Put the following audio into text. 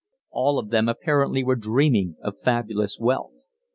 All of them apparently were dreaming of fabulous wealth.